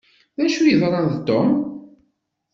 D acu yeḍran d Tom?